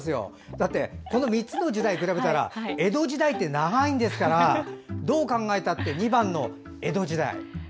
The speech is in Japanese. だってこの３つの時代を比べたら江戸時代って長いんですからどう考えたって２番の江戸時代。